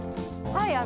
はい。